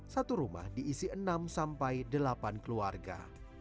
satu rumah diisi enam sampai delapan keluarga